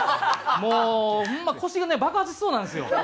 もうホンマ腰がね爆発しそうなんですよ。